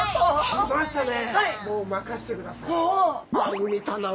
きましたね！